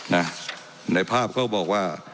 น่ะในภาพเขาบอกว่า